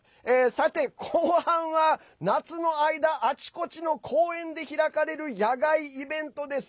さて後半は、夏の間あちこちの公園で開かれる屋外イベントです。